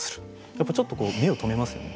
やっぱちょっと目を留めますよね。